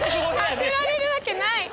当てられるわけない。